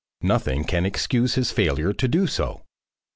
Nothing can excuse his failure to do so.